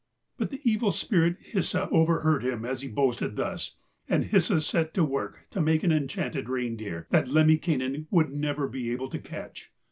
But the evil spirit Hisi overheard him as he boasted thus, and Hisi set to work to make an enchanted reindeer, that Lemminkainen would never be able to catch.